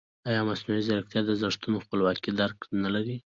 ایا مصنوعي ځیرکتیا د ارزښتونو خپلواک درک نه لري؟